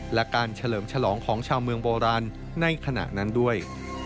และการเฉลิมฉลองของชาวเมืองโบราณในขณะนั้นด้วย